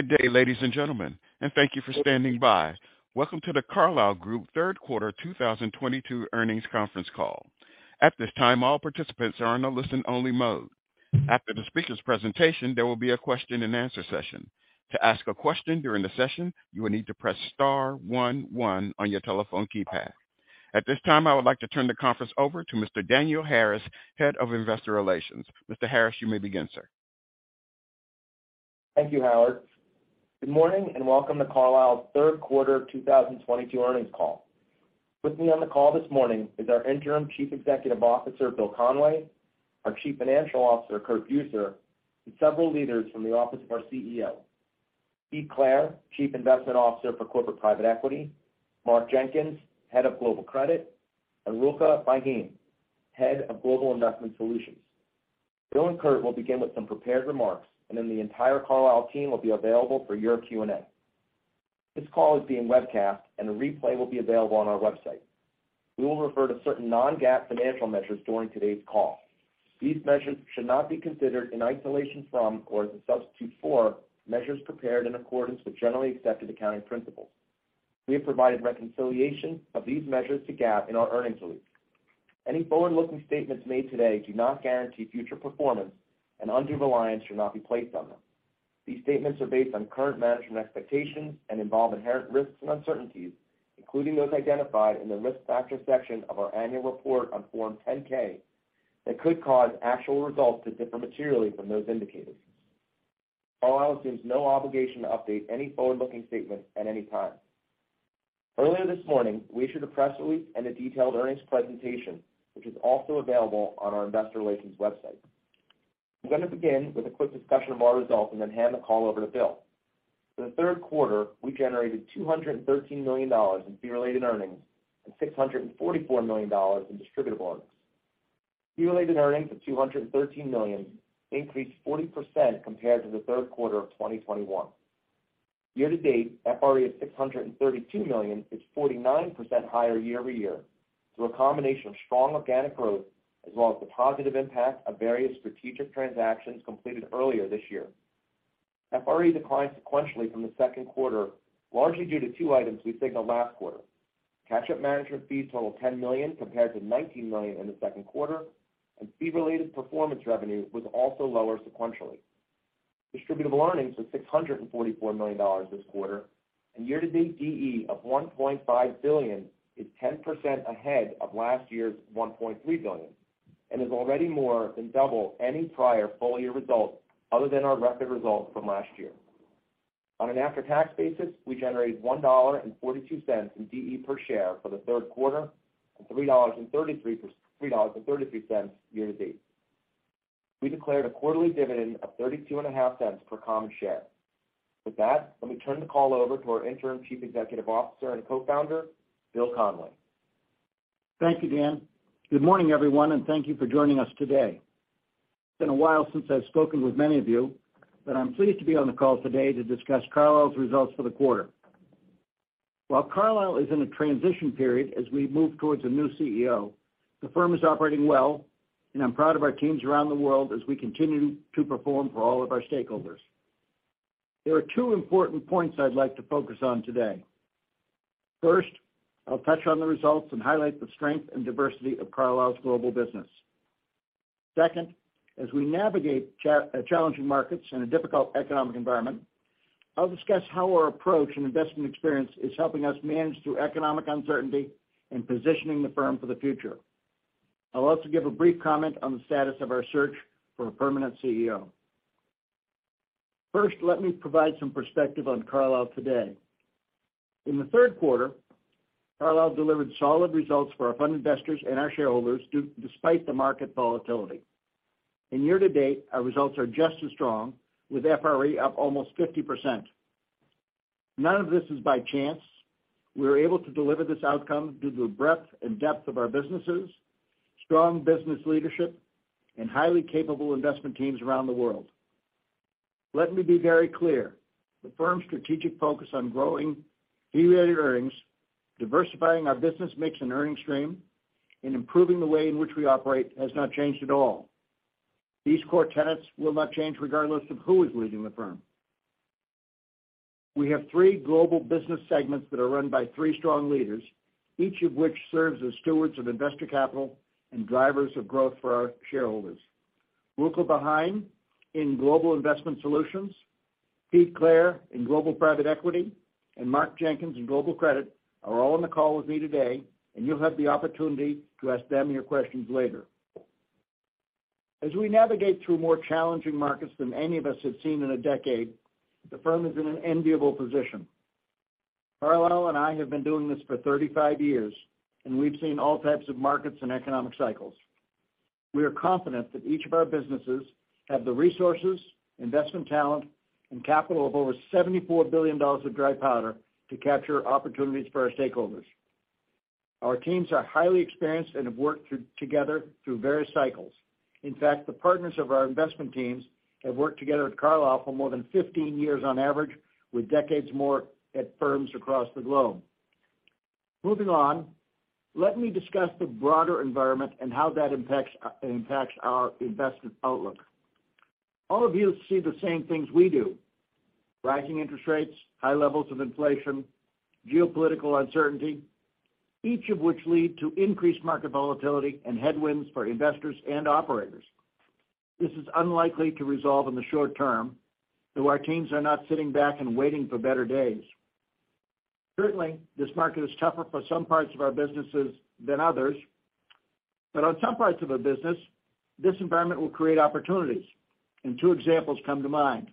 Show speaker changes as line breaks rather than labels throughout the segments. Good day, ladies and gentlemen, and thank you for standing by. Welcome to The Carlyle Group Third Quarter 2022 Earnings Conference Call. At this time, all participants are in a listen-only mode. After the speaker's presentation, there will be a question-and-answer session. To ask a question during the session, you will need to press star one one on your telephone keypad. At this time, I would like to turn the conference over to Mr. Daniel Harris, Head of Investor Relations. Mr. Harris, you may begin, sir.
Thank you, Howard. Good morning and welcome to Carlyle's third quarter of 2022 earnings call. With me on the call this morning is our Interim Chief Executive Officer, Bill Conway, our Chief Financial Officer, Curt Buser, and several leaders from the office of our CEO. Pete Clare, Chief Investment Officer for Corporate Private Equity, Mark Jenkins, Head of Global Credit, and Ruulke Bagijn, Head of Global Investment Solutions. Bill and Curt will begin with some prepared remarks, and then the entire Carlyle team will be available for your Q&A. This call is being webcast, and a replay will be available on our website. We will refer to certain non-GAAP financial measures during today's call. These measures should not be considered in isolation from or as a substitute for measures prepared in accordance with generally accepted accounting principles. We have provided reconciliation of these measures to GAAP in our earnings release. Any forward-looking statements made today do not guarantee future performance and undue reliance should not be placed on them. These statements are based on current management expectations and involve inherent risks and uncertainties, including those identified in the Risk Factors section of our annual report on Form 10-K, that could cause actual results to differ materially from those indicated. Carlyle assumes no obligation to update any forward-looking statements at any time. Earlier this morning, we issued a press release and a detailed earnings presentation, which is also available on our investor relations website. I'm gonna begin with a quick discussion of our results and then hand the call over to Bill. For the third quarter, we generated $213 million in fee-related earnings and $644 million in distributable earnings. Fee-related earnings of $213 million increased 40% compared to the third quarter of 2021. Year-to-date, FRE of $632 million is 49% higher year-over-year through a combination of strong organic growth as well as the positive impact of various strategic transactions completed earlier this year. FRE declined sequentially from the second quarter, largely due to two items we signaled last quarter. Catch-up management fees totaled $10 million compared to $19 million in the second quarter, and fee-related performance revenue was also lower sequentially. Distributable earnings was $644 million this quarter, and year-to-date DE of $1.5 billion is 10% ahead of last year's $1.3 billion, and is already more than double any prior full year results other than our record results from last year. On an after-tax basis, we generated $1.42 in DE per share for the third quarter and $3.33 year-to-date. We declared a quarterly dividend of $0.325 per common share. With that, let me turn the call over to our Interim Chief Executive Officer and Co-founder, Bill Conway.
Thank you, Dan. Good morning, everyone, and thank you for joining us today. It's been a while since I've spoken with many of you, but I'm pleased to be on the call today to discuss Carlyle's results for the quarter. While Carlyle is in a transition period as we move towards a new CEO, the firm is operating well, and I'm proud of our teams around the world as we continue to perform for all of our stakeholders. There are two important points I'd like to focus on today. First, I'll touch on the results and highlight the strength and diversity of Carlyle's global business. Second, as we navigate challenging markets in a difficult economic environment, I'll discuss how our approach and investment experience is helping us manage through economic uncertainty and positioning the firm for the future. I'll also give a brief comment on the status of our search for a permanent CEO. First, let me provide some perspective on Carlyle today. In the third quarter, Carlyle delivered solid results for our fund investors and our shareholders despite the market volatility. Year-to-date, our results are just as strong, with FRE up almost 50%. None of this is by chance. We were able to deliver this outcome due to the breadth and depth of our businesses, strong business leadership, and highly capable investment teams around the world. Let me be very clear. The firm's strategic focus on growing fee-related earnings, diversifying our business mix and earning stream, and improving the way in which we operate has not changed at all. These core tenets will not change regardless of who is leading the firm. We have three global business segments that are run by three strong leaders, each of which serves as stewards of investor capital and drivers of growth for our shareholders. Ruulke Bagijn in Global Investment Solutions, Pete Clare in Global Private Equity, and Mark Jenkins in Global Credit are all on the call with me today, and you'll have the opportunity to ask them your questions later. As we navigate through more challenging markets than any of us have seen in a decade, the firm is in an enviable position. Carlyle and I have been doing this for 35 years, and we've seen all types of markets and economic cycles. We are confident that each of our businesses have the resources, investment talent, and capital of over $74 billion of dry powder to capture opportunities for our stakeholders. Our teams are highly experienced and have worked together through various cycles. In fact, the partners of our investment teams have worked together at Carlyle for more than 15 years on average, with decades more at firms across the globe. Moving on, let me discuss the broader environment and how that impacts our investment outlook. All of you see the same things we do. Rising interest rates, high levels of inflation, geopolitical uncertainty, each of which lead to increased market volatility and headwinds for investors and operators. This is unlikely to resolve in the short term, though our teams are not sitting back and waiting for better days. Certainly, this market is tougher for some parts of our businesses than others, but on some parts of our business, this environment will create opportunities, and two examples come to mind.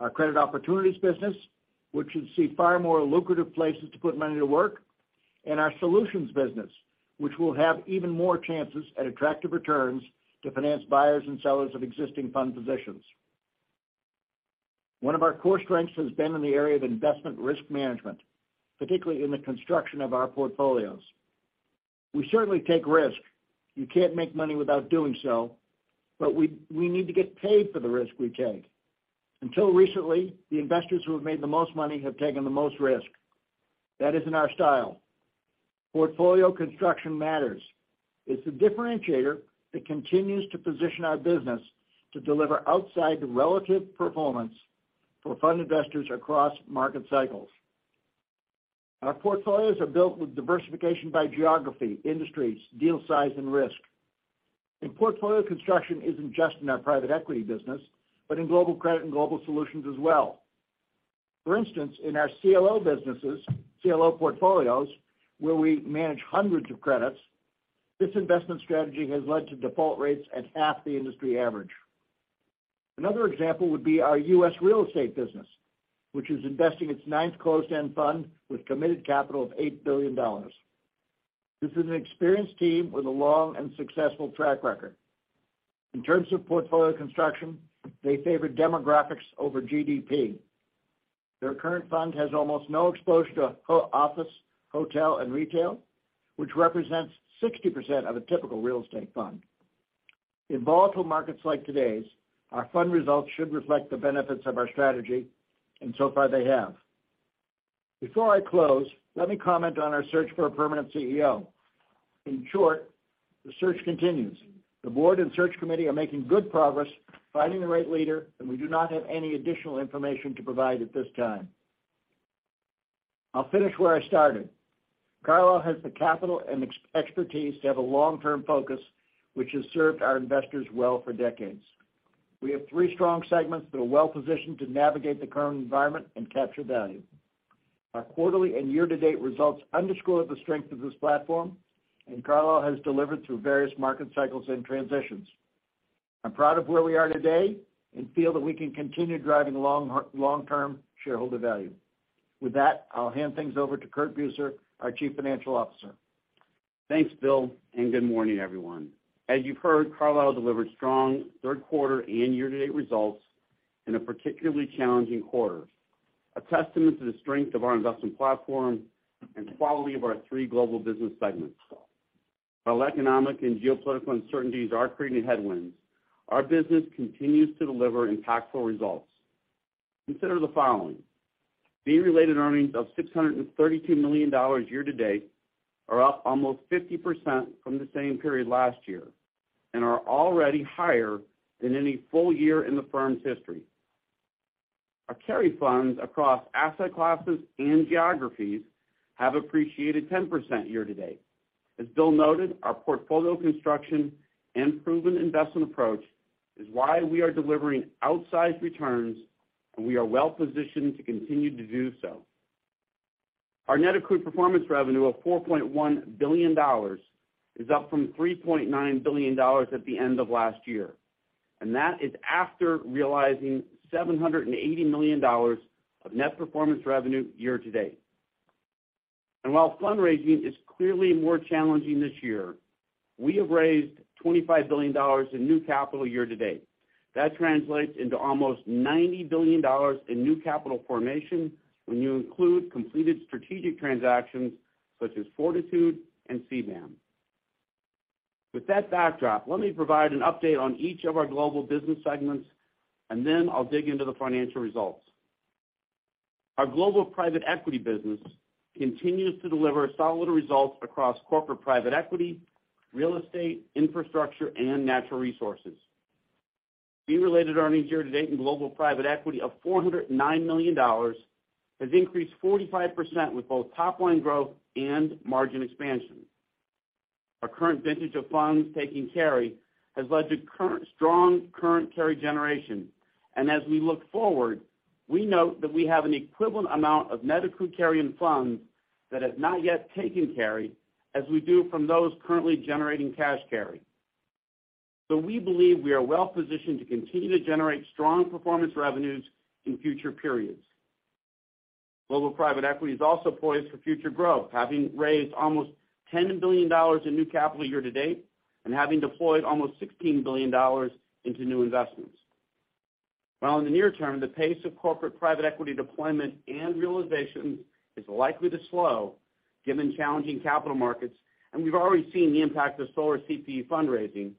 Our credit opportunities business, which should see far more lucrative places to put money to work, and our solutions business, which will have even more chances at attractive returns to finance buyers and sellers of existing fund positions. One of our core strengths has been in the area of investment risk management, particularly in the construction of our portfolios. We certainly take risk. You can't make money without doing so, but we need to get paid for the risk we take. Until recently, the investors who have made the most money have taken the most risk. That isn't our style. Portfolio construction matters. It's the differentiator that continues to position our business to deliver outside relative performance for fund investors across market cycles. Our portfolios are built with diversification by geography, industries, deal size and risk. Portfolio construction isn't just in our private equity business, but in Global Credit and Global Solutions as well. For instance, in our CLO businesses, CLO portfolios, where we manage hundreds of credits, this investment strategy has led to default rates at half the industry average. Another example would be our U.S. real estate business, which is investing its ninth closed-end fund with committed capital of $8 billion. This is an experienced team with a long and successful track record. In terms of portfolio construction, they favor demographics over GDP. Their current fund has almost no exposure to office, hotel and retail, which represents 60% of a typical real estate fund. In volatile markets like today's, our fund results should reflect the benefits of our strategy, and so far they have. Before I close, let me comment on our search for a permanent CEO. In short, the search continues. The board and search committee are making good progress finding the right leader, and we do not have any additional information to provide at this time. I'll finish where I started. Carlyle has the capital and expertise to have a long-term focus, which has served our investors well for decades. We have three strong segments that are well-positioned to navigate the current environment and capture value. Our quarterly and year-to-date results underscore the strength of this platform, and Carlyle has delivered through various market cycles and transitions. I'm proud of where we are today and feel that we can continue driving long-term shareholder value. With that, I'll hand things over to Curt Buser, our Chief Financial Officer.
Thanks, Bill, and good morning, everyone. As you've heard, Carlyle delivered strong third quarter and year-to-date results in a particularly challenging quarter, a testament to the strength of our investment platform and quality of our three global business segments. While economic and geopolitical uncertainties are creating headwinds, our business continues to deliver impactful results. Consider the following, fee-related earnings of $632 million year-to-date are up almost 50% from the same period last year and are already higher than any full year in the firm's history. Our carry funds across asset classes and geographies have appreciated 10% year-to-date. As Bill noted, our portfolio construction and proven investment approach is why we are delivering outsized returns, and we are well-positioned to continue to do so. Our net accrued performance revenue of $4.1 billion is up from $3.9 billion at the end of last year. That is after realizing $780 million of net performance revenue year-to-date. While fundraising is clearly more challenging this year, we have raised $25 billion in new capital year-to-date. That translates into almost $90 billion in new capital formation when you include completed strategic transactions such as Fortitude and CBAM. With that backdrop, let me provide an update on each of our global business segments, and then I'll dig into the financial results. Our global private equity business continues to deliver solid results across corporate private equity, real estate, infrastructure, and natural resources. Fee-related earnings year-to-date in Global Private Equity of $409 million has increased 45% with both top line growth and margin expansion. Our current vintage of funds taking carry has led to strong current carry generation. As we look forward, we note that we have an equivalent amount of net accrued carry in funds that have not yet taken carry as we do from those currently generating cash carry. We believe we are well-positioned to continue to generate strong performance revenues in future periods. Global Private Equity is also poised for future growth, having raised almost $10 billion in new capital year-to-date and having deployed almost $16 billion into new investments. While in the near term, the pace of Corporate Private Equity deployment and realization is likely to slow given challenging capital markets, and we've already seen the impact of slower CPE fundraising.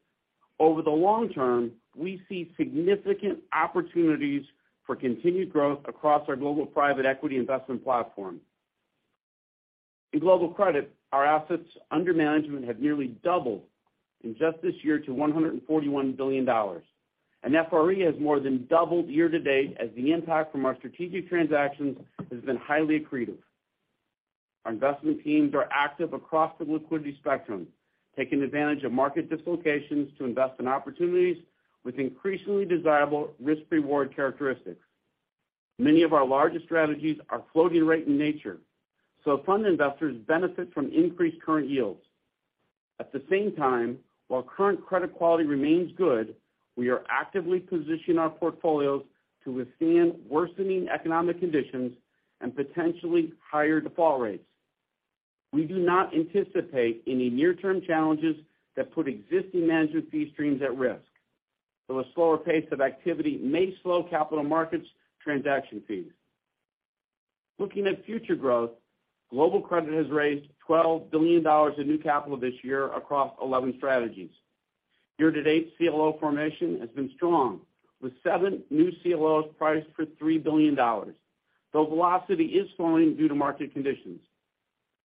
Over the long term, we see significant opportunities for continued growth across our Global Private Equity investment platform. In Global Credit, our assets under management have nearly doubled in just this year to $141 billion. FRE has more than doubled year-to-date as the impact from our strategic transactions has been highly accretive. Our investment teams are active across the liquidity spectrum, taking advantage of market dislocations to invest in opportunities with increasingly desirable risk-reward characteristics. Many of our largest strategies are floating rate in nature, so fund investors benefit from increased current yields. At the same time, while current credit quality remains good, we are actively positioning our portfolios to withstand worsening economic conditions and potentially higher default rates. We do not anticipate any near-term challenges that put existing management fee streams at risk, though a slower pace of activity may slow capital markets transaction fees. Looking at future growth, Global Credit has raised $12 billion in new capital this year across 11 strategies. Year-to-date, CLO formation has been strong, with seven new CLOs priced for $3 billion, though velocity is falling due to market conditions.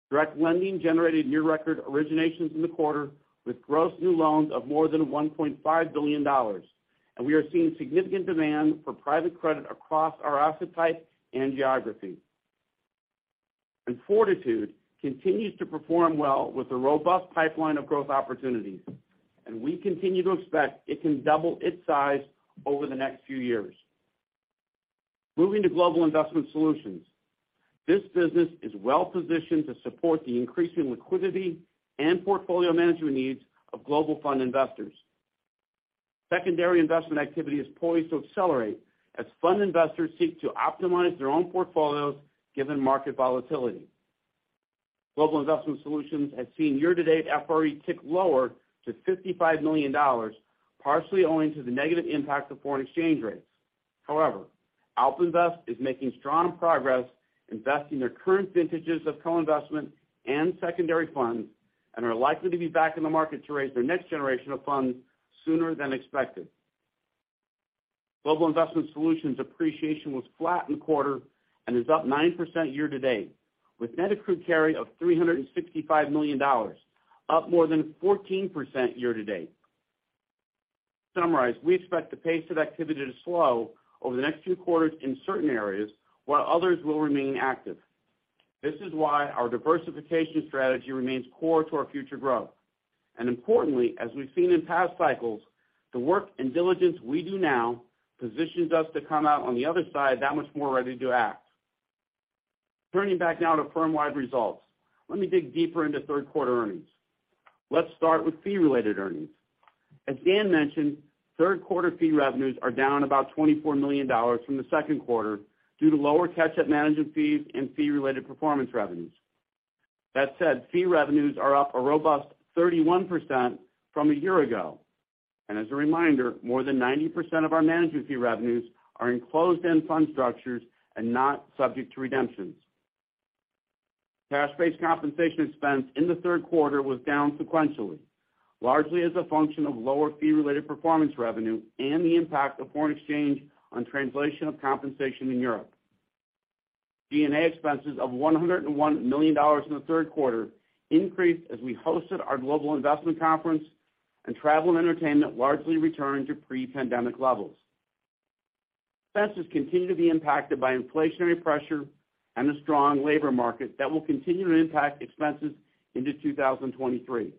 Direct lending generated near record originations in the quarter, with gross new loans of more than $1.5 billion. We are seeing significant demand for private credit across our asset type and geography. Fortitude continues to perform well with a robust pipeline of growth opportunities, and we continue to expect it can double its size over the next few years. Moving to Global Investment Solutions. This business is well positioned to support the increasing liquidity and portfolio management needs of global fund investors. Secondary investment activity is poised to accelerate as fund investors seek to optimize their own portfolios given market volatility. Global Investment Solutions has seen year-to-date FRE tick lower to $55 million, partially owing to the negative impact of foreign exchange rates. However, AlpInvest is making strong progress investing their current vintages of co-investment and secondary funds, and are likely to be back in the market to raise their next generation of funds sooner than expected. Global Investment Solutions appreciation was flat in quarter and is up 9% year-to-date, with net accrued carry of $365 million, up more than 14% year-to-date. To summarize, we expect the pace of activity to slow over the next few quarters in certain areas, while others will remain active. This is why our diversification strategy remains core to our future growth. Importantly, as we've seen in past cycles, the work and diligence we do now positions us to come out on the other side that much more ready to act. Turning back now to firm-wide results. Let me dig deeper into third quarter earnings. Let's start with fee-related earnings. As Dan mentioned, third quarter fee revenues are down about $24 million from the second quarter due to lower catch-up management fees and fee-related performance revenues. That said, fee revenues are up a robust 31% from a year ago. As a reminder, more than 90% of our management fee revenues are enclosed in fund structures and not subject to redemptions. Cash-based compensation expense in the third quarter was down sequentially, largely as a function of lower fee-related performance revenue and the impact of foreign exchange on translation of compensation in Europe. G&A expenses of $101 million in the third quarter increased as we hosted our global investment conference and travel and entertainment largely returned to pre-pandemic levels. Expenses continue to be impacted by inflationary pressure and a strong labor market that will continue to impact expenses into 2023.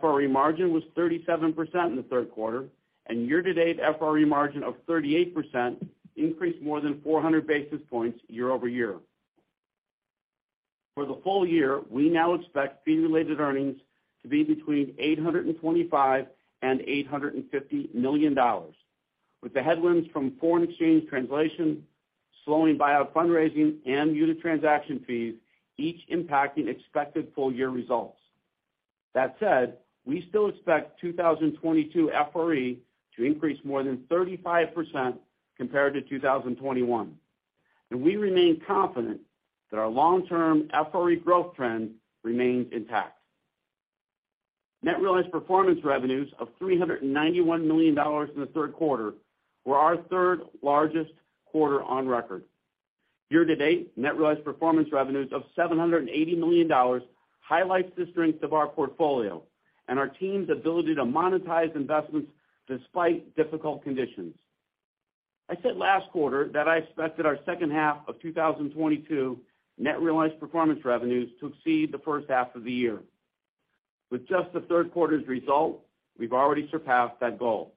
FRE margin was 37% in the third quarter, and year-to-date FRE margin of 38% increased more than 400 basis points year-over-year. For the full year, we now expect fee-related earnings to be between $825 million and $850 million, with the headwinds from foreign exchange translation, slowing buyout fundraising, and unit transaction fees each impacting expected full year results. That said, we still expect 2022 FRE to increase more than 35% compared to 2021, and we remain confident that our long-term FRE growth trend remains intact. Net realized performance revenues of $391 million in the third quarter were our third largest quarter on record. Year-to-date, net realized performance revenues of $780 million highlights the strength of our portfolio and our team's ability to monetize investments despite difficult conditions. I said last quarter that I expected our second half of 2022 net realized performance revenues to exceed the first half of the year. With just the third quarter's result, we've already surpassed that goal.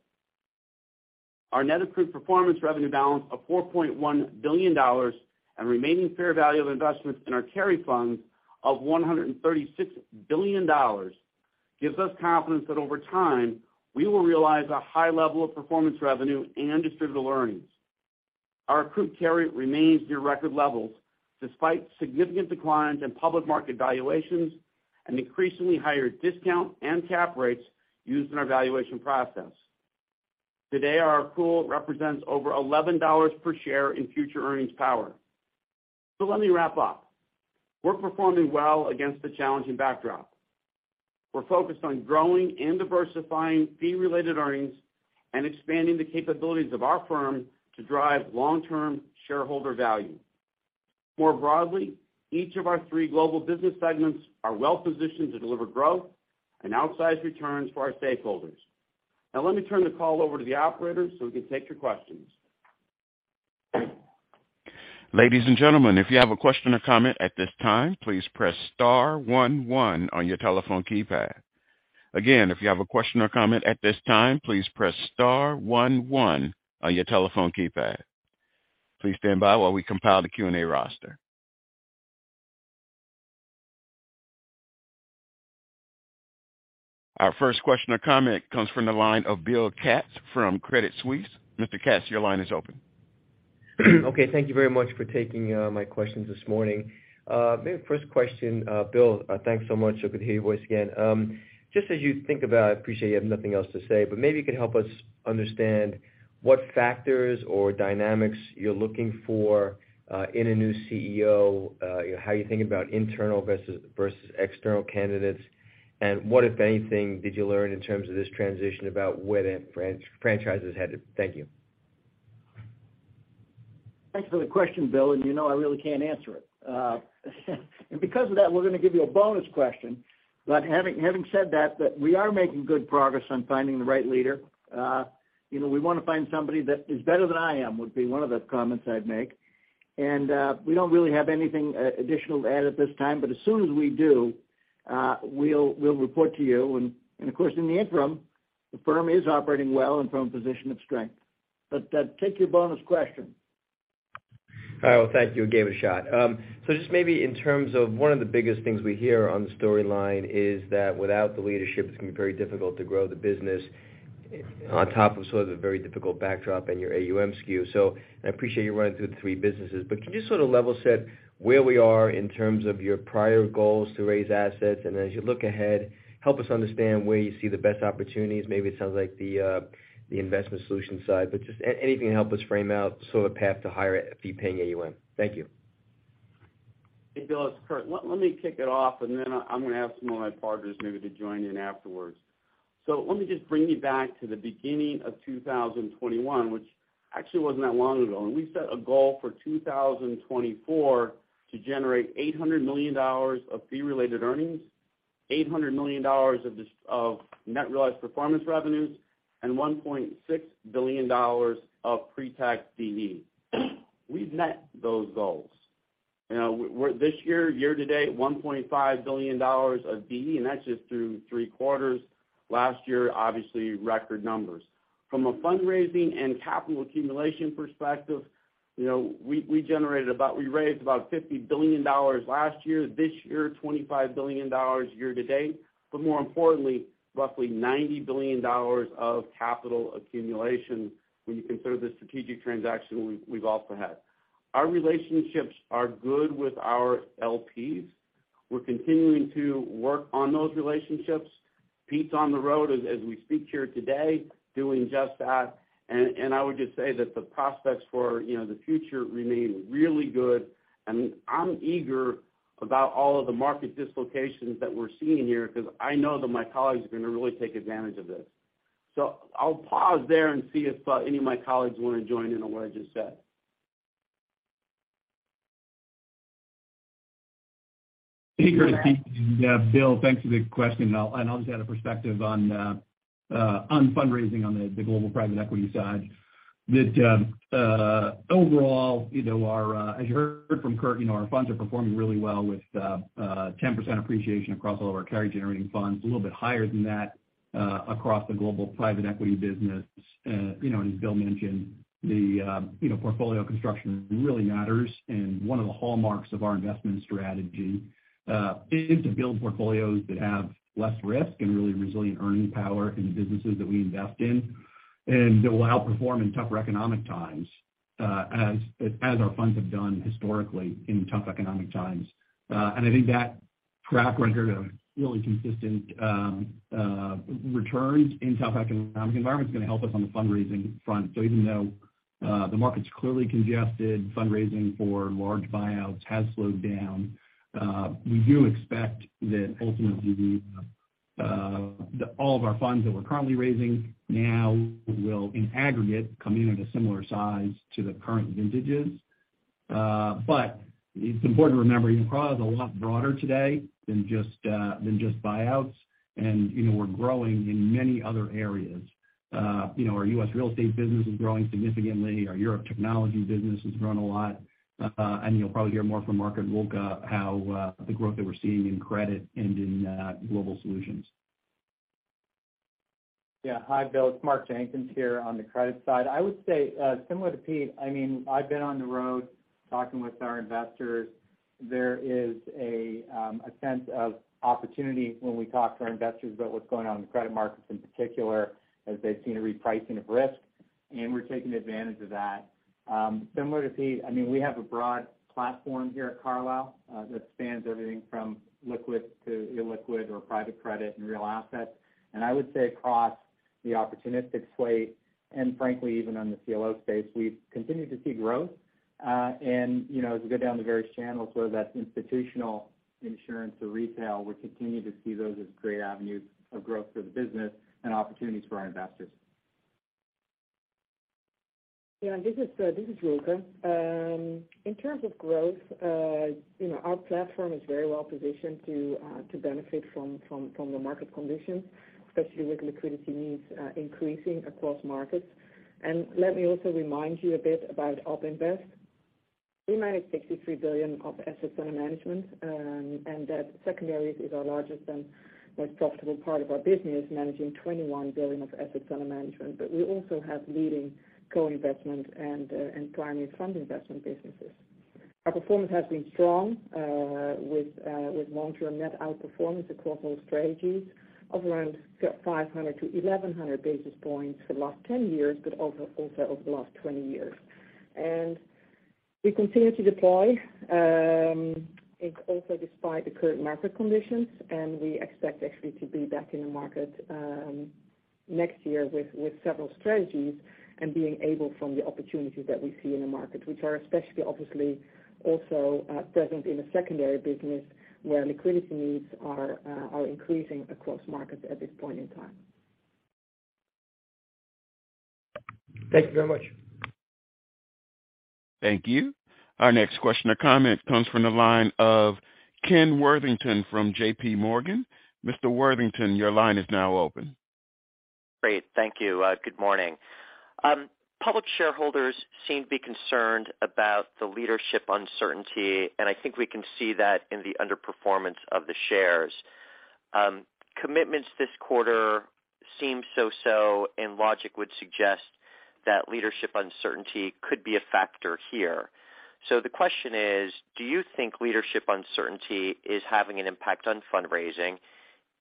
Our net accrued performance revenue balance of $4.1 billion and remaining fair value of investments in our carry funds of $136 billion gives us confidence that over time, we will realize a high level of performance revenue and distributable earnings. Our accrued carry remains near record levels despite significant declines in public market valuations and increasingly higher discount and cap rates used in our valuation process. Today, our pool represents over $11 per share in future earnings power. Let me wrap up. We're performing well against the challenging backdrop. We're focused on growing and diversifying fee-related earnings and expanding the capabilities of our firm to drive long-term shareholder value. More broadly, each of our three global business segments are well positioned to deliver growth and outsized returns for our stakeholders. Now let me turn the call over to the operator so we can take your questions.
Ladies and gentlemen, if you have a question or comment at this time, please press star one one on your telephone keypad. Again, if you have a question or comment at this time, please press star one one on your telephone keypad. Please stand by while we compile the Q&A roster. Our first question or comment comes from the line of Bill Katz from Credit Suisse. Mr. Katz, your line is open.
Okay, thank you very much for taking my questions this morning. Maybe the first question, Bill, thanks so much. Good to hear your voice again. Just as you think about, I appreciate you have nothing else to say, but maybe you could help us understand what factors or dynamics you're looking for in a new CEO, how you think about internal versus external candidates and what, if anything, did you learn in terms of this transition about where that franchise's headed? Thank you.
Thanks for the question, Bill, and you know I really can't answer it. Because of that, we're gonna give you a bonus question. Having said that, we are making good progress on finding the right leader. You know, we wanna find somebody that is better than I am, would be one of the comments I'd make. We don't really have anything additional to add at this time, but as soon as we do, we'll report to you. Of course, in the interim, the firm is operating well and from a position of strength. Take your bonus question.
All right, well, thank you. I gave it a shot. Just maybe in terms of one of the biggest things we hear on the storyline is that without the leadership, it's gonna be very difficult to grow the business on top of sort of the very difficult backdrop and your AUM skew. I appreciate you running through the three businesses, but can you sort of level set where we are in terms of your prior goals to raise assets? As you look ahead, help us understand where you see the best opportunities. Maybe it sounds like the investment solution side, but just anything to help us frame out sort of path to higher fee paying AUM. Thank you.
Hey, Bill, it's Curt. Let me kick it off, and then I'm gonna ask some of my partners maybe to join in afterwards. Let me just bring you back to the beginning of 2021, which actually wasn't that long ago, and we set a goal for 2024 to generate $800 million of fee-related earnings, $800 million of this, of net realized performance revenues, and $1.6 billion of pre-tax BE. We've met those goals. You know, we're this year-to-date, $1.5 billion of BE, and that's just through three quarters. Last year, obviously, record numbers. From a fundraising and capital accumulation perspective, you know, we raised about $50 billion last year. This year, $25 billion year-to-date, but more importantly, roughly $90 billion of capital accumulation when you consider the strategic transaction we've also had. Our relationships are good with our LPs. We're continuing to work on those relationships. Pete's on the road as we speak here today, doing just that. I would just say that the prospects for, you know, the future remain really good, and I'm eager about all of the market dislocations that we're seeing here because I know that my colleagues are gonna really take advantage of this. I'll pause there and see if any of my colleagues wanna join in on what I just said.
Hey, Curt, it's Pete. Yeah, Bill, thanks for the question. I'll just add a perspective on fundraising on the Global Private Equity side. Overall, you know, as you heard from Curt, you know, our funds are performing really well with a 10% appreciation across all of our carry generating funds, a little bit higher than that, across the Global Private Equity business. You know, as Bill mentioned, you know, portfolio construction really matters. One of the hallmarks of our investment strategy is to build portfolios that have less risk and really resilient earning power in the businesses that we invest in. That will help perform in tougher economic times, as our funds have done historically in tough economic times. I think that track record of really consistent returns in tough economic environments is gonna help us on the fundraising front. Even though the market's clearly congested, fundraising for large buyouts has slowed down, we do expect that ultimately all of our funds that we're currently raising now will, in aggregate, come in at a similar size to the current vintages. It's important to remember, you know, private is a lot broader today than just buyouts. You know, we're growing in many other areas. You know, our U.S. real estate business is growing significantly. Our Europe technology business has grown a lot. You'll probably hear more from Mark and Ruulke how the growth that we're seeing in credit and in global solutions.
Yeah. Hi, Bill. It's Mark Jenkins here on the credit side. I would say, similar to Pete, I mean, I've been on the road talking with our investors. There is a sense of opportunity when we talk to our investors about what's going on in the credit markets in particular, as they've seen a repricing of risk. We're taking advantage of that. Similar to Pete, I mean, we have a broad platform here at Carlyle that spans everything from liquid to illiquid or private credit and real assets. I would say across the opportunistic slate, and frankly even on the CLO space, we've continued to see growth. You know, as we go down the various channels, whether that's institutional insurance or retail, we continue to see those as great avenues of growth for the business and opportunities for our investors.
Yeah, this is Ruulke. In terms of growth, you know, our platform is very well positioned to benefit from the market conditions, especially with liquidity needs increasing across markets. Let me also remind you a bit about AlpInvest. We manage $63 billion of assets under management, and that secondaries is our largest and most profitable part of our business, managing $21 billion of assets under management. We also have leading co-investment and primary fund investment businesses. Our performance has been strong, with long-term net outperformance across all strategies of around 500-1,100 basis points for the last 10 years, but also over the last 20 years. We continue to deploy also despite the current market conditions, and we expect actually to be back in the market next year with several strategies and being able from the opportunities that we see in the market, which are especially obviously also present in the secondary business where liquidity needs are increasing across markets at this point in time.
Thank you very much.
Thank you. Our next question or comment comes from the line of Ken Worthington from JPMorgan. Mr. Worthington, your line is now open.
Great. Thank you. Good morning. Public shareholders seem to be concerned about the leadership uncertainty, and I think we can see that in the underperformance of the shares. Commitments this quarter seem so-so, and logic would suggest that leadership uncertainty could be a factor here. The question is, do you think leadership uncertainty is having an impact on fundraising?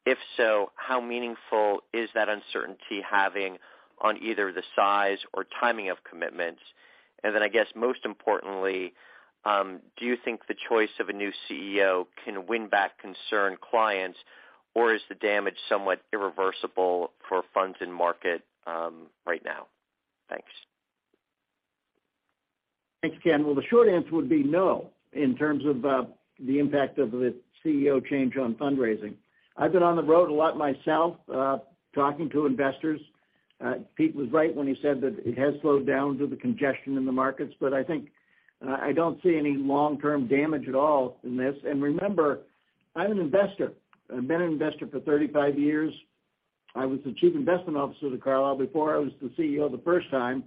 If so, how meaningful is that uncertainty having on either the size or timing of commitments? I guess most importantly, do you think the choice of a new CEO can win back concerned clients, or is the damage somewhat irreversible for funds in market, right now? Thanks.
Thanks, Ken. Well, the short answer would be no, in terms of the impact of the CEO change on fundraising. I've been on the road a lot myself, talking to investors. Pete was right when he said that it has slowed down due to the congestion in the markets, but I think I don't see any long-term damage at all in this. Remember, I'm an investor. I've been an investor for 35 years. I was the Chief Investment Officer at Carlyle before I was the CEO the first time.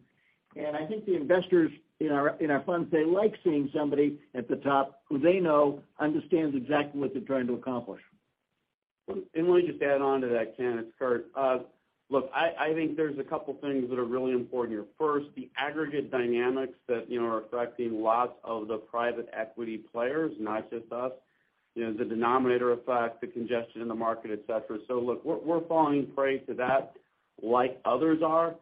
I think the investors in our funds, they like seeing somebody at the top who they know understands exactly what they're trying to accomplish.
Let me just add on to that, Ken, it's Curt. Look, I think there's a couple things that are really important here. First, the aggregate dynamics that, you know, are affecting lots of the private equity players, not just us, you know, the denominator effect, the congestion in the market, et cetera. Look, we're falling prey to that like others are.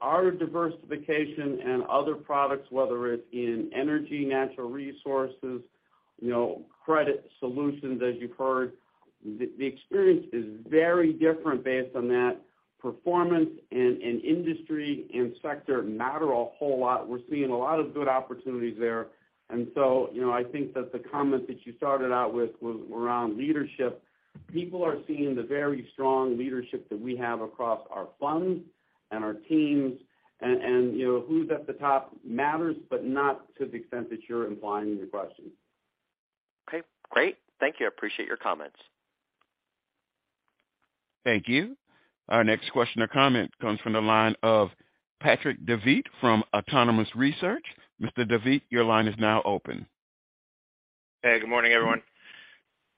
Our diversification and other products, whether it's in energy, natural resources, you know, credit solutions, as you've heard, the experience is very different based on that performance, and industry and sector matter a whole lot. We're seeing a lot of good opportunities there. You know, I think that the comment that you started out with was around leadership. People are seeing the very strong leadership that we have across our funds and our teams. You know, who's at the top matters, but not to the extent that you're implying in your question.
Okay, great. Thank you. I appreciate your comments.
Thank you. Our next question or comment comes from the line of Patrick Davitt from Autonomous Research. Mr. Davitt, your line is now open.
Hey, good morning, everyone.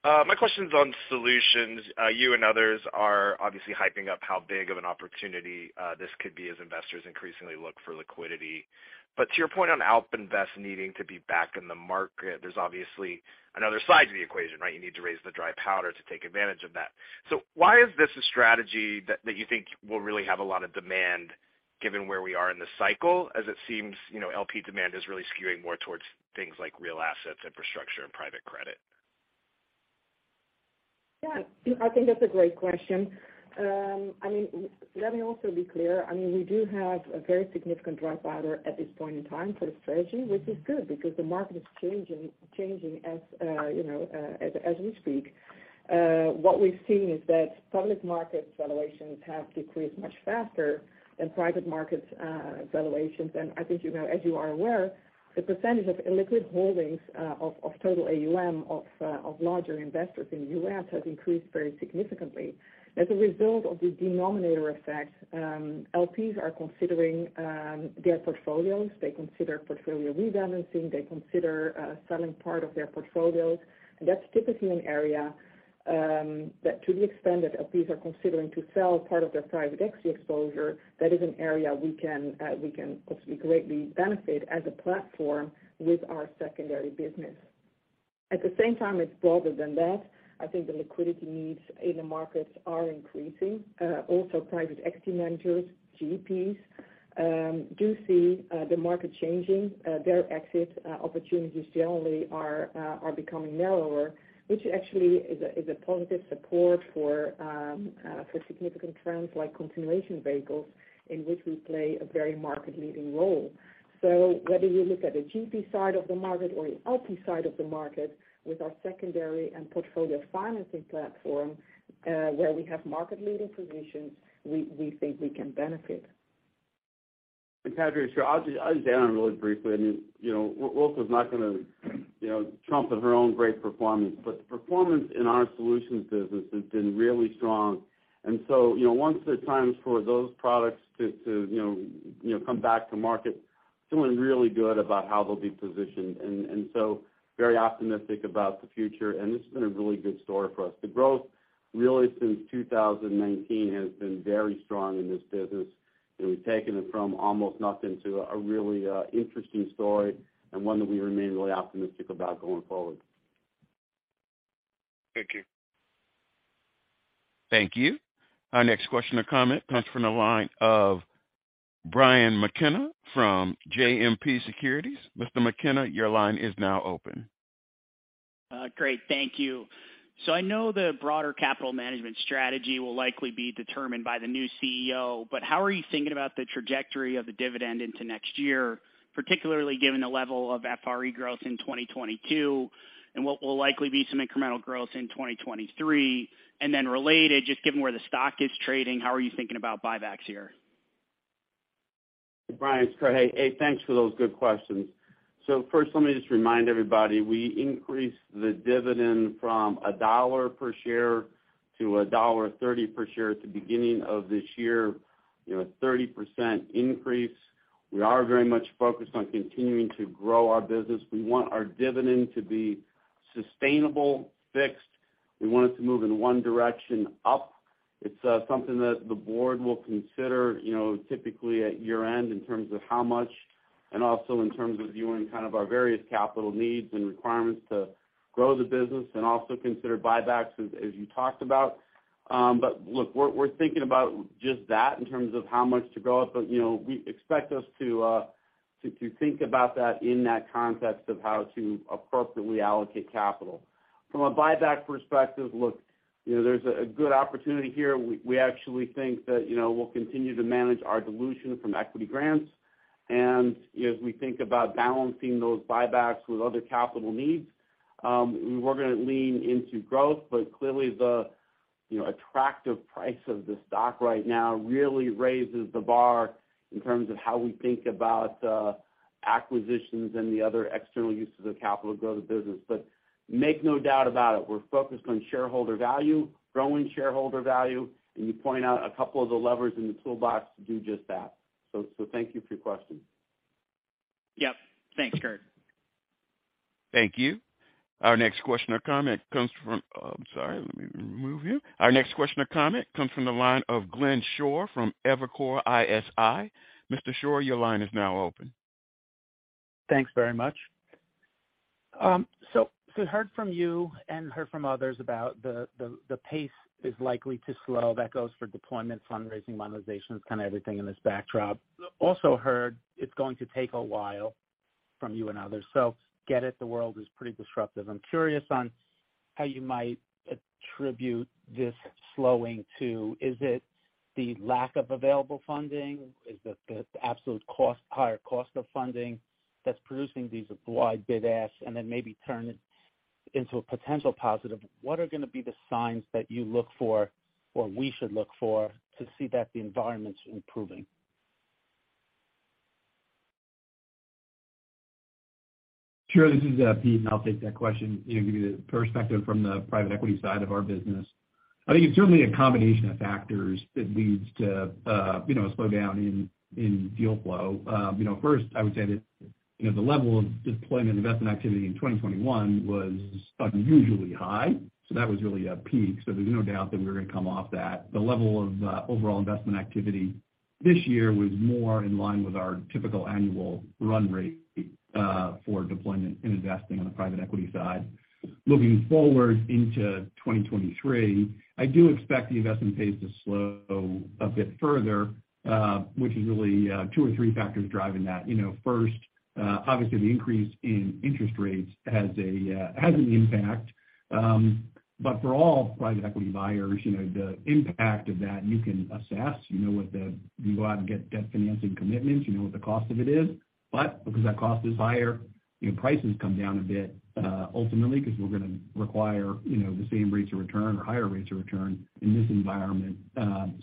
My question's on solutions. You and others are obviously hyping up how big of an opportunity this could be as investors increasingly look for liquidity. To your point on AlpInvest needing to be back in the market, there's obviously another side to the equation, right? You need to raise the dry powder to take advantage of that. Why is this a strategy that you think will really have a lot of demand given where we are in the cycle, as it seems, you know, LP demand is really skewing more towards things like real assets, infrastructure, and private credit?
Yeah. I think that's a great question. I mean, let me also be clear. I mean, we do have a very significant dry powder at this point in time for the strategy, which is good because the market is changing as we speak. What we've seen is that public market valuations have decreased much faster than private markets valuations. I think you know, as you are aware, the percentage of illiquid holdings of total AUM of larger investors in the U.S. has increased very significantly. As a result of the denominator effect, LPs are considering their portfolios. They consider portfolio rebalancing. They consider selling part of their portfolios. That's typically an area that to the extent that LPs are considering to sell part of their private equity exposure, that is an area we can possibly greatly benefit as a platform with our secondary business. At the same time, it's broader than that. I think the liquidity needs in the markets are increasing. Also private equity managers, GPs, do see the market changing. Their exit opportunities generally are becoming narrower, which actually is a positive support for significant trends like continuation vehicles, in which we play a very market-leading role. Whether you look at the GP side of the market or the LP side of the market, with our secondary and portfolio financing platform, where we have market-leading positions, we think we can benefit.
Patrick, sure. I'll just add on really briefly. I mean, you know, Ruulke's not gonna, you know, trumpet her own great performance, but the performance in our solutions business has been really strong. You know, once there's times for those products to you know come back to market, feeling really good about how they'll be positioned and so very optimistic about the future, and it's been a really good story for us. The growth really since 2019 has been very strong in this business, and we've taken it from almost nothing to a really interesting story and one that we remain really optimistic about going forward.
Thank you.
Thank you. Our next question or comment comes from the line of Brian McKenna from JMP Securities. Mr. McKenna, your line is now open.
Great, thank you. I know the broader capital management strategy will likely be determined by the new CEO, but how are you thinking about the trajectory of the dividend into next year, particularly given the level of FRE growth in 2022, and what will likely be some incremental growth in 2023? Related, just given where the stock is trading, how are you thinking about buybacks here?
Brian, it's Curt. Hey, thanks for those good questions. First, let me just remind everybody, we increased the dividend from $1 per share to $1.30 per share at the beginning of this year, you know, a 30% increase. We are very much focused on continuing to grow our business. We want our dividend to be sustainable, fixed. We want it to move in one direction, up. It's something that the board will consider, you know, typically at year-end in terms of how much, and also in terms of viewing kind of our various capital needs and requirements to grow the business and also consider buybacks as you talked about. Look, we're thinking about just that in terms of how much to grow it. You know, we expect us to think about that in that context of how to appropriately allocate capital. From a buyback perspective, look, you know, there's a good opportunity here. We actually think that, you know, we'll continue to manage our dilution from equity grants. As we think about balancing those buybacks with other capital needs, we were gonna lean into growth. Clearly, the, you know, attractive price of the stock right now really raises the bar in terms of how we think about acquisitions and the other external uses of capital to grow the business. Make no doubt about it, we're focused on shareholder value, growing shareholder value, and you point out a couple of the levers in the toolbox to do just that. Thank you for your question.
Yep. Thanks, Curt.
Thank you. Our next question or comment comes from. Oh, I'm sorry. Let me remove you. Our next question or comment comes from the line of Glenn Schorr from Evercore ISI. Mr. Schorr, your line is now open.
Thanks very much. We heard from you and heard from others about the pace is likely to slow. That goes for deployment, fundraising, monetization. It's kind of everything in this backdrop. Also heard it's going to take a while from you and others. Get it, the world is pretty disruptive. I'm curious on how you might attribute this slowing to. Is it the lack of available funding? Is it the absolute cost, higher cost of funding that's producing these wide bid asks, and then maybe turn it into a potential positive? What are gonna be the signs that you look for or we should look for to see that the environment's improving?
Sure. This is Pete, and I'll take that question and give you the perspective from the private equity side of our business. I think it's certainly a combination of factors that leads to, you know, a slowdown in deal flow. You know, first, I would say that, you know, the level of deployment investment activity in 2021 was unusually high, so that was really a peak. There's no doubt that we were gonna come off that. The level of, overall investment activity this year was more in line with our typical annual run rate, for deployment and investing on the private equity side. Looking forward into 2023, I do expect the investment pace to slow a bit further, which is really two or three factors driving that. You know, first, obviously, the increase in interest rates has an impact. For all private equity buyers, you know, the impact of that you can assess. You know you can go out and get debt financing commitments. You know what the cost of it is. Because that cost is higher, you know, prices come down a bit, ultimately because we're gonna require, you know, the same rates of return or higher rates of return in this environment,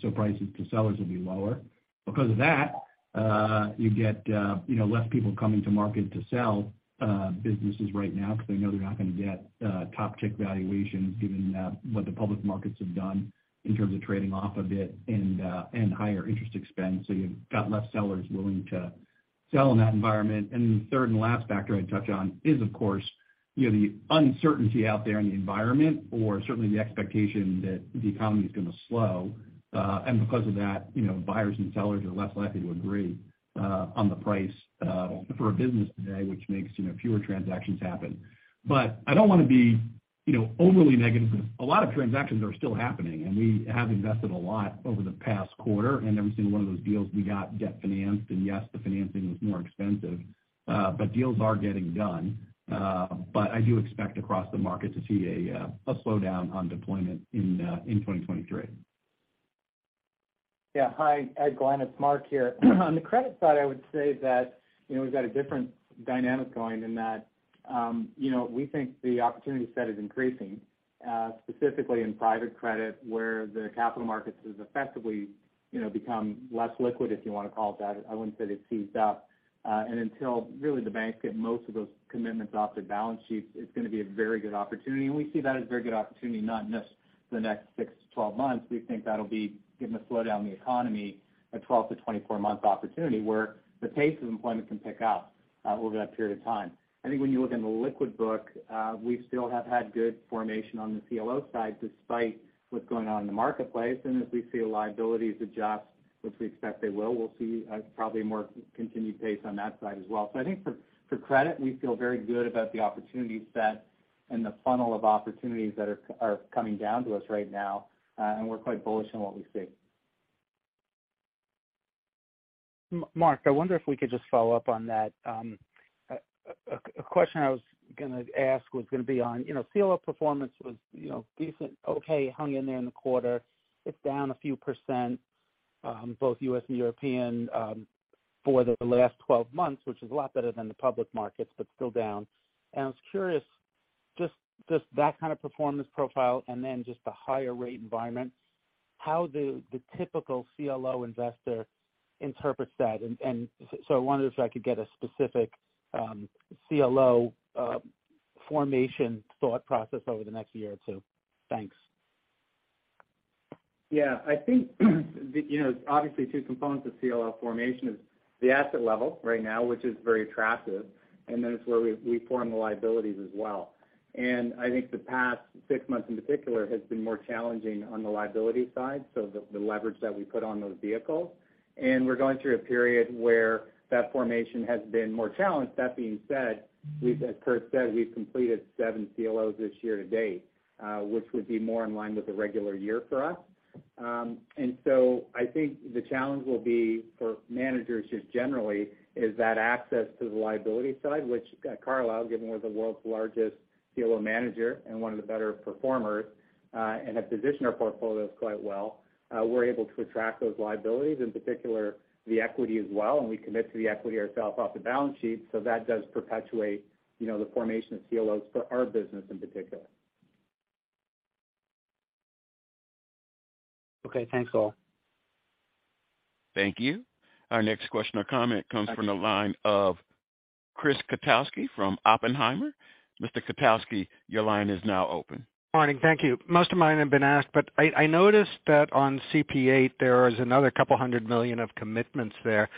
so prices to sellers will be lower. Because of that, you get, you know, less people coming to market to sell businesses right now because they know they're not gonna get top tick valuations given what the public markets have done in terms of trading off a bit and higher interest expense. You've got less sellers willing to sell in that environment. The third and last factor I'd touch on is, of course, you know, the uncertainty out there in the environment or certainly the expectation that the economy is gonna slow. Because of that, you know, buyers and sellers are less likely to agree on the price for a business today, which makes, you know, fewer transactions happen. I don't want to be You know, overly negative. A lot of transactions are still happening, and we have invested a lot over the past quarter. Every single one of those deals we got debt financed. Yes, the financing was more expensive, but deals are getting done. I do expect across the market to see a slowdown on deployment in 2023.
Yeah. Hi, Glenn, it's Mark here. On the credit side, I would say that, you know, we've got a different dynamic going in that, you know, we think the opportunity set is increasing, specifically in private credit, where the capital markets has effectively, you know, become less liquid, if you wanna call it that. I wouldn't say they've seized up. Until really the banks get most of those commitments off their balance sheets, it's gonna be a very good opportunity. We see that as a very good opportunity, not just the next six-12 months. We think that'll be, given the slowdown in the economy, a 12-24 month opportunity where the pace of deployment can pick up, over that period of time. I think when you look in the liquid book, we still have had good formation on the CLO side despite what's going on in the marketplace. As we see liabilities adjust, which we expect they will, we'll see probably a more continued pace on that side as well. I think for credit, we feel very good about the opportunity set and the funnel of opportunities that are coming down to us right now, and we're quite bullish on what we see.
Mark, I wonder if we could just follow up on that. A question I was gonna ask was gonna be on, you know, CLO performance was, you know, decent, okay, hung in there in the quarter. It's down a few percent, both U.S. and European, for the last 12 months, which is a lot better than the public markets, but still down. I was curious, just that kind of performance profile and then just the higher rate environment, how do the typical CLO investor interprets that? I wondered if I could get a specific, CLO formation thought process over the next year or two. Thanks.
Yeah. I think, you know, obviously two components of CLO formation is the asset level right now, which is very attractive, and then it's where we form the liabilities as well. I think the past six months in particular has been more challenging on the liability side, so the leverage that we put on those vehicles. We're going through a period where that formation has been more challenged. That being said, we've, as Curt said, we've completed seven CLOs this year-to-date, which would be more in line with a regular year for us. I think the challenge will be for managers just generally is that access to the liability side, which Carlyle, given we're the world's largest CLO manager and one of the better performers, and have positioned our portfolios quite well, we're able to attract those liabilities, in particular the equity as well, and we commit to the equity ourselves off the balance sheet. That does perpetuate, you know, the formation of CLOs for our business in particular.
Okay. Thanks, all.
Thank you. Our next question or comment comes from the line of Chris Kotowski from Oppenheimer. Mr. Kotowski, your line is now open.
Morning. Thank you. Most of mine have been asked, but I noticed that on CP VIII, there is another couple hundred million of commitments there,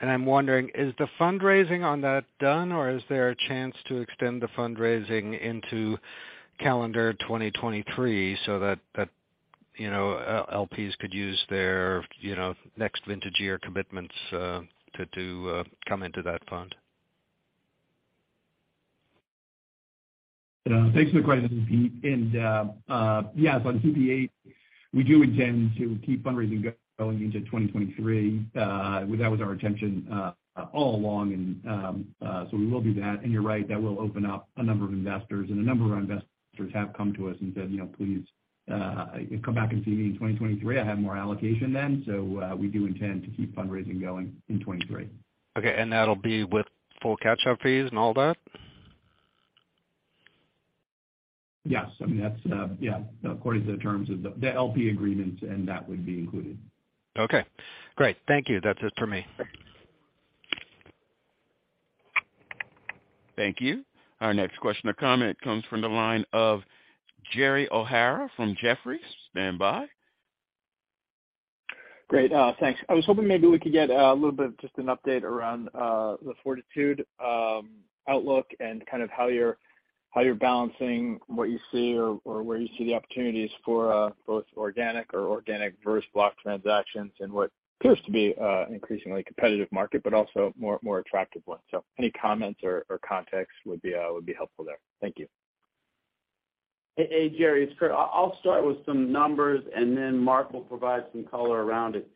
and I'm wondering, is the fundraising on that done, or is there a chance to extend the fundraising into calendar 2023 so that you know, LPs could use their you know, next vintage year commitments to come into that fund?
Yeah. Thanks for the question, it's Pete. Yes, on CP VIII, we do intend to keep fundraising going into 2023. That was our intention all along. We will do that. You're right, that will open up a number of investors, and a number of our investors have come to us and said, "You know, please, come back and see me in 2023. I have more allocation then." We do intend to keep fundraising going in 2023.
Okay. That'll be with full catch-up fees and all that?
Yes. I mean, that's, yeah, according to the terms of the LP agreements, and that would be included.
Okay, great. Thank you. That's it for me.
Thank you. Our next question or comment comes from the line of Gerry O'Hara from Jefferies. Stand by.
Great, thanks. I was hoping maybe we could get a little bit just an update around the Fortitude outlook and kind of how you're balancing what you see or where you see the opportunities for both organic versus block transactions in what appears to be an increasingly competitive market but also more attractive one. So any comments or context would be helpful there. Thank you.
Hey, Gerry, it's Curt. I'll start with some numbers, and then Mark will provide some color around it.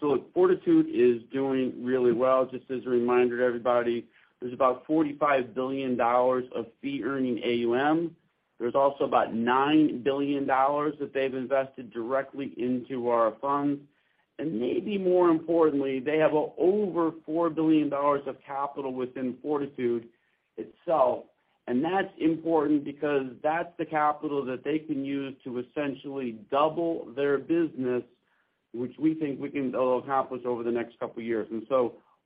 Look, Fortitude is doing really well. Just as a reminder to everybody, there's about $45 billion of fee-earning AUM. There's also about $9 billion that they've invested directly into our funds. Maybe more importantly, they have over $4 billion of capital within Fortitude itself. That's important because that's the capital that they can use to essentially double their business. Which we think we can accomplish over the next couple years.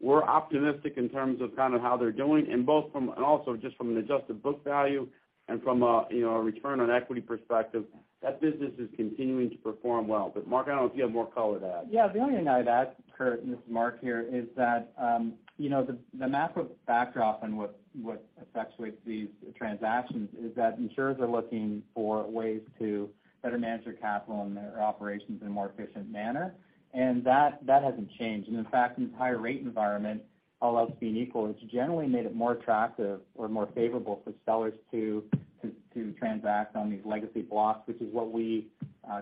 We're optimistic in terms of kind of how they're doing, and both from and also just from an adjusted book value and from a, you know, a return on equity perspective, that business is continuing to perform well. Mark, I don't know if you have more color to add.
Yeah. The only thing I'd add, Curt, and this is Mark here, is that you know, the macro backdrop and what effect with these transactions is that insurers are looking for ways to better manage their capital and their operations in a more efficient manner. That hasn't changed. In fact, in the higher rate environment, all else being equal, it's generally made it more attractive or more favorable for sellers to transact on these legacy blocks, which is what we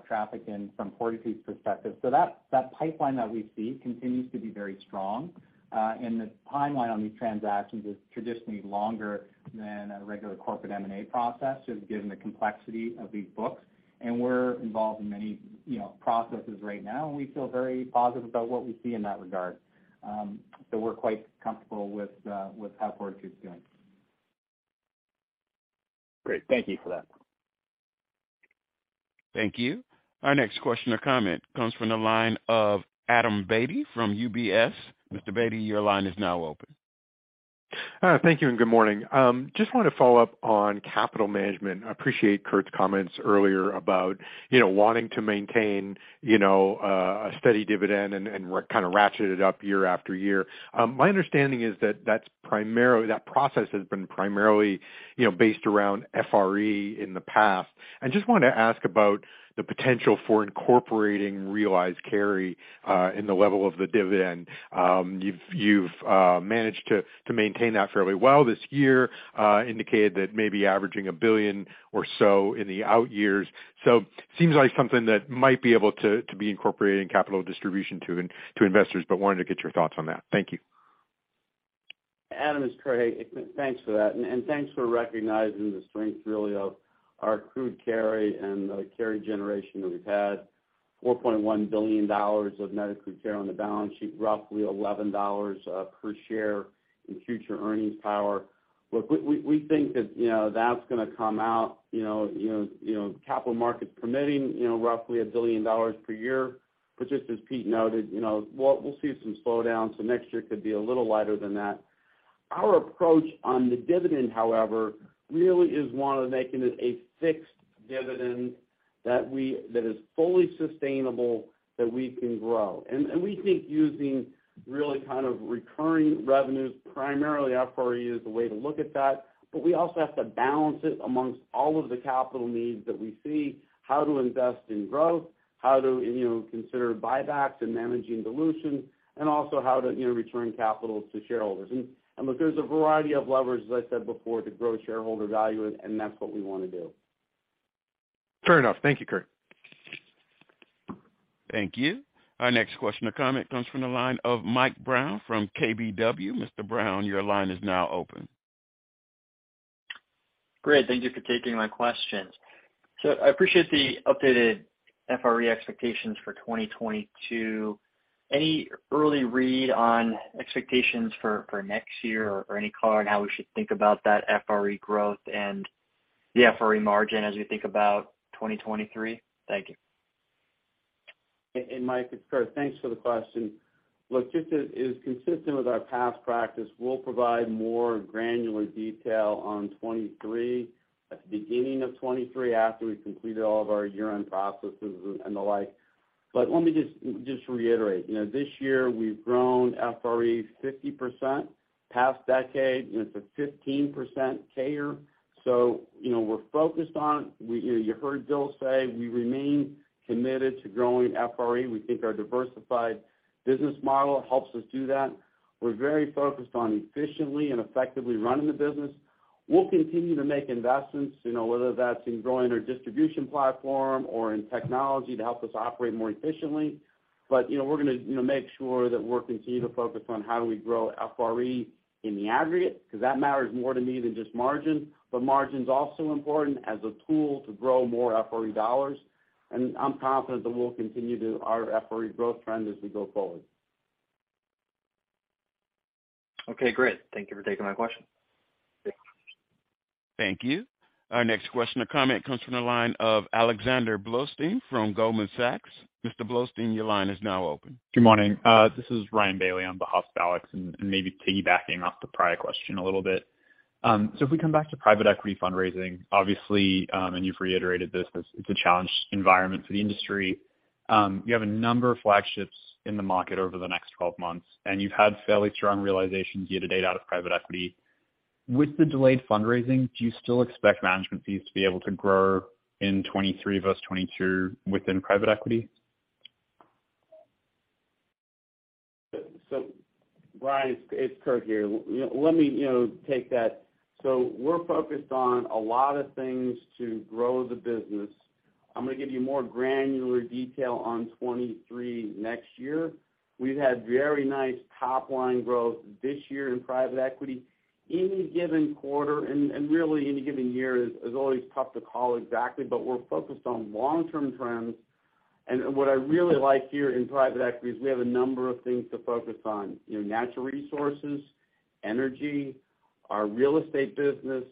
traffic in from Fortitude's perspective. That pipeline that we see continues to be very strong. The timeline on these transactions is traditionally longer than a regular corporate M&A process, just given the complexity of these books. We're involved in many, you know, processes right now, and we feel very positive about what we see in that regard. We're quite comfortable with how Fortitude is doing.
Great. Thank you for that.
Thank you. Our next question or comment comes from the line of Adam Beatty from UBS. Mr. Beatty, your line is now open.
Thank you, and good morning. Just wanted to follow up on capital management. I appreciate Curt's comments earlier about, you know, wanting to maintain, you know, a steady dividend and kind of ratchet it up year after year. My understanding is that that process has been primarily, you know, based around FRE in the past. I just wanted to ask about the potential for incorporating realized carry in the level of the dividend. You've managed to maintain that fairly well this year, indicated that maybe averaging $1 billion or so in the out years. Seems like something that might be able to be incorporated in capital distribution to investors, but wanted to get your thoughts on that. Thank you.
Adam, it's Curt. Thanks for that. Thanks for recognizing the strength really of our accrued carry and the carry generation that we've had. $4.1 billion of net accrued carry on the balance sheet, roughly $11 per share in future earnings power. Look, we think that, you know, that's gonna come out, you know, capital markets permitting, roughly $1 billion per year. Just as Pete noted, you know, we'll see some slowdowns, so next year could be a little lighter than that. Our approach on the dividend, however, really is one of making it a fixed dividend that is fully sustainable, that we can grow. We think using really kind of recurring revenues, primarily FRE, is the way to look at that, but we also have to balance it among all of the capital needs that we see, how to invest in growth, how to, you know, consider buybacks and managing dilution, and also how to, you know, return capital to shareholders. I mean, there's a variety of levers, as I said before, to grow shareholder value, and that's what we wanna do.
Fair enough. Thank you, Curt.
Thank you. Our next question or comment comes from the line of Mike Brown from KBW. Mr. Brown, your line is now open.
Great. Thank you for taking my questions. I appreciate the updated FRE expectations for 2022. Any early read on expectations for next year or any color on how we should think about that FRE growth and the FRE margin as we think about 2023? Thank you.
Mike, it's Curt. Thanks for the question. Look, just as is consistent with our past practice, we'll provide more granular detail on 2023 at the beginning of 2023 after we've completed all of our year-end processes and the like. Let me just reiterate. You know, this year we've grown FRE 50%. Past decade, it's a 15% CAGR. You know, we're focused on. You know, you heard Bill say we remain committed to growing FRE. We think our diversified business model helps us do that. We're very focused on efficiently and effectively running the business. We'll continue to make investments, you know, whether that's in growing our distribution platform or in technology to help us operate more efficiently. You know, we're gonna, you know, make sure that we're continue to focus on how do we grow FRE in the aggregate, because that matters more to me than just margin. margin's also important as a tool to grow more FRE dollars. I'm confident that we'll continue to our FRE growth trend as we go forward.
Okay, great. Thank you for taking my question.
Yeah.
Thank you. Our next question or comment comes from the line of Alexander Blostein from Goldman Sachs. Mr. Blostein, your line is now open.
Good morning. This is Ryan Bailey on behalf of Alex, and maybe piggybacking off the prior question a little bit. If we come back to private equity fundraising, obviously, and you've reiterated this, it's a challenged environment for the industry. You have a number of flagships in the market over the next 12 months, and you've had fairly strong realizations year-to-date out of private equity. With the delayed fundraising, do you still expect management fees to be able to grow in 2023 versus 2022 within private equity?
Ryan, it's Curt here. Let me, you know, take that. We're focused on a lot of things to grow the business. I'm gonna give you more granular detail on 2023 next year. We've had very nice top line growth this year in private equity. Any given quarter and really any given year is always tough to call exactly, but we're focused on long-term trends. What I really like here in private equity is we have a number of things to focus on. You know, natural resources, energy, our real estate business.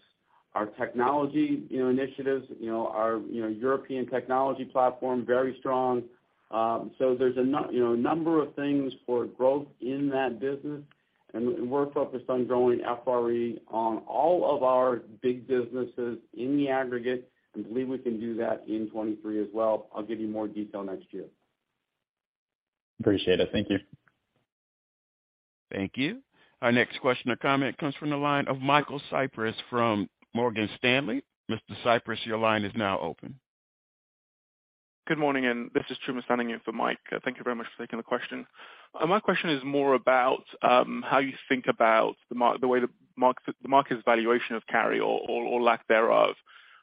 Our technology, you know, initiatives, you know, our, you know, European technology platform, very strong. There's a number of things for growth in that business, and we're focused on growing FRE on all of our big businesses in the aggregate and believe we can do that in 2023 as well. I'll give you more detail next year.
Appreciate it. Thank you.
Thank you. Our next question or comment comes from the line of Michael Cyprys from Morgan Stanley. Mr. Cyprys, your line is now open.
Good morning, and this is Truman standing in for Mike. Thank you very much for taking the question. My question is more about how you think about the way the market's valuation of carry or lack thereof.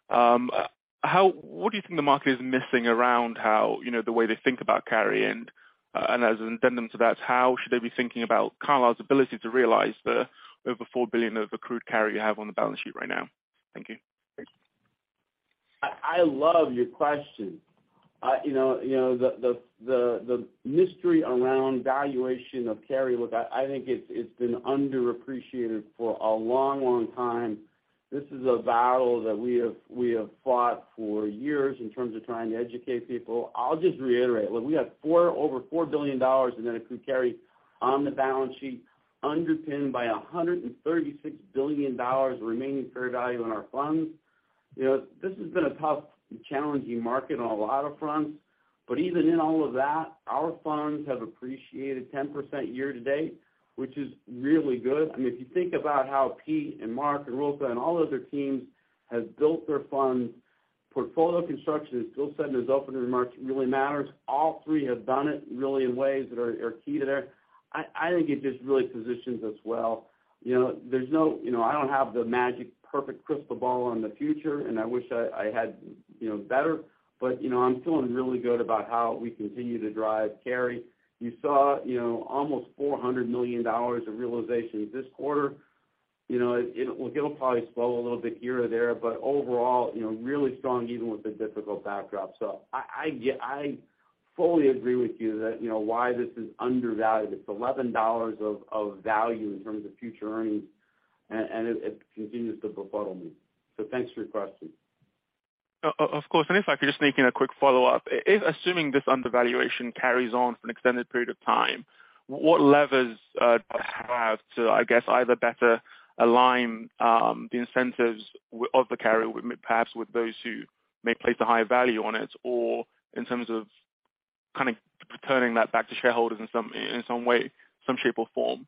What do you think the market is missing around how, you know, the way they think about carry and as an addendum to that, how should they be thinking about Carlyle's ability to realize the over $4 billion of accrued carry you have on the balance sheet right now? Thank you.
I love your question. You know, the mystery around valuation of carry, look, I think it's been underappreciated for a long, long time. This is a battle that we have fought for years in terms of trying to educate people. I'll just reiterate. Look, we have over $4 billion in accrued carry on the balance sheet, underpinned by $136 billion remaining fair value in our funds. You know, this has been a tough and challenging market on a lot of fronts. Even in all of that, our funds have appreciated 10% year-to-date, which is really good. I mean, if you think about how Pete and Mark and Ruulke and all of their teams have built their funds, portfolio construction is still setting us up in a market really matters. All three have done it really in ways that are key to their. I think it just really positions us well. You know, there's no, you know, I don't have the magic, perfect crystal ball on the future, and I wish I had, you know, better. You know, I'm feeling really good about how we continue to drive carry. You saw, you know, almost $400 million of realizations this quarter. You know, it'll probably swell a little bit here or there, but overall, you know, really strong even with the difficult backdrop. I get it. I fully agree with you that, you know, why this is undervalued. It's $11 of value in terms of future earnings, and it continues to befuddle me. Thanks for your question.
Of course. In fact, just making a quick follow-up. If assuming this undervaluation carries on for an extended period of time, what levers do you have to, I guess, either better align the incentives of the carry with perhaps those who may place a higher value on it or in terms of kind of returning that back to shareholders in some way, some shape or form?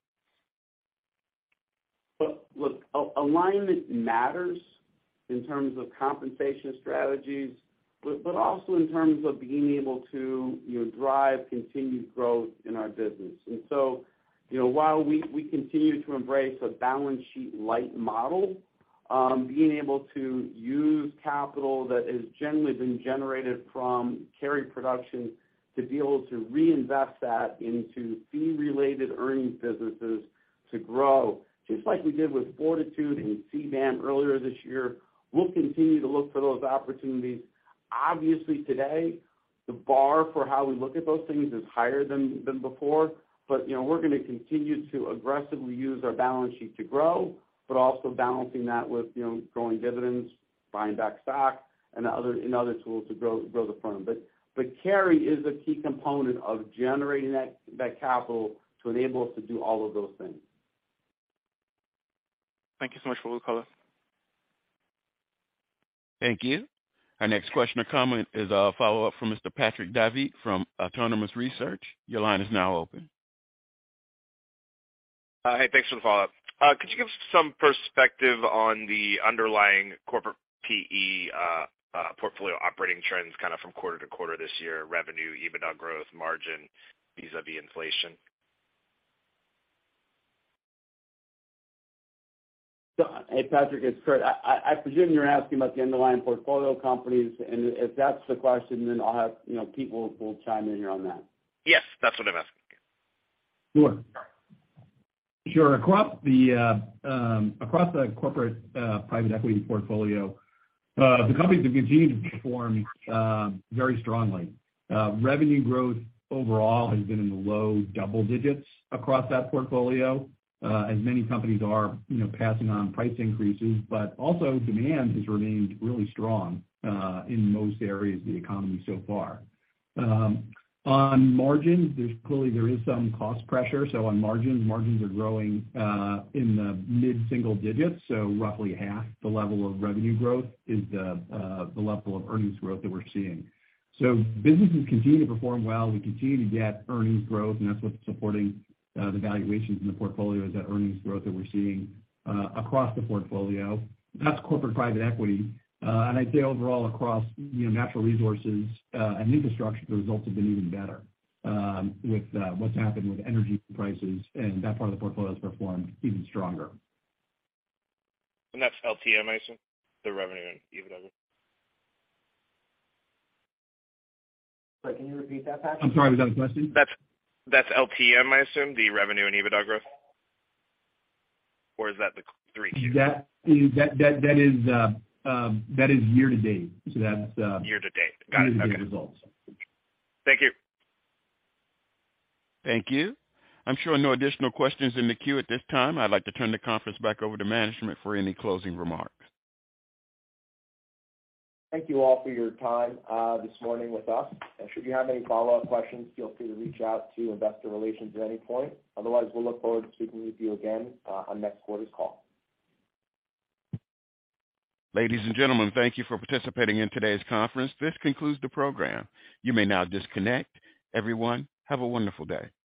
Look, alignment matters in terms of compensation strategies, but also in terms of being able to, you know, drive continued growth in our business. You know, while we continue to embrace a balance sheet-light model, being able to use capital that has generally been generated from carry production to be able to reinvest that into fee-related earnings businesses to grow, just like we did with Fortitude and CBAM earlier this year, we'll continue to look for those opportunities. Obviously, today, the bar for how we look at those things is higher than before. You know, we're gonna continue to aggressively use our balance sheet to grow, but also balancing that with, you know, growing dividends, buying back stock and other tools to grow the firm. Carry is a key component of generating that capital to enable us to do all of those things.
Thank you so much for the color.
Thank you. Our next question or comment is a follow-up from Mr. Patrick Davitt from Autonomous Research. Your line is now open.
Hey, thanks for the follow-up. Could you give some perspective on the underlying corporate PE portfolio operating trends kind of from quarter-to-quarter this year, revenue, EBITDA growth, margin, vis-à-vis inflation?
Hey, Patrick, it's Curt. I presume you're asking about the underlying portfolio companies, and if that's the question, then I'll have, you know, people will chime in here on that.
Yes, that's what I'm asking.
Sure. Sure. Across the corporate private equity portfolio, the companies have continued to perform very strongly. Revenue growth overall has been in the low double digits across that portfolio, as many companies are, you know, passing on price increases. Demand has remained really strong in most areas of the economy so far. On margins, there's clearly some cost pressure. On margins are growing in the mid-single digits, so roughly half the level of revenue growth is the level of earnings growth that we're seeing. Businesses continue to perform well. We continue to get earnings growth, and that's what's supporting the valuations in the portfolio, is that earnings growth that we're seeing across the portfolio. That's corporate private equity. I'd say overall across, you know, natural resources and infrastructure, the results have been even better with what's happened with energy prices, and that part of the portfolio has performed even stronger.
That's LTM, I assume, the revenue and EBITDA growth?
Sorry, can you repeat that, Patrick?
I'm sorry. Was that the question? That's LTM, I assume, the revenue and EBITDA growth? Or is that the three Q?
That is year-to-date. That's
Year-to-date. Got it. Okay.
Year-to-date results.
Thank you.
Thank you. I'm showing no additional questions in the queue at this time. I'd like to turn the conference back over to management for any closing remarks.
Thank you all for your time, this morning with us. Should you have any follow-up questions, feel free to reach out to investor relations at any point. Otherwise, we'll look forward to speaking with you again, on next quarter's call.
Ladies and gentlemen, thank you for participating in today's conference. This concludes the program. You may now disconnect. Everyone, have a wonderful day. Speak easy.